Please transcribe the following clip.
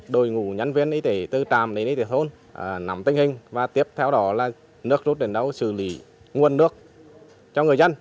đội ngũ nhân viên y tế tư tràm đến y tế thôn nằm tình hình và tiếp theo đó là nước rút đến đâu xử lý nguồn nước cho người dân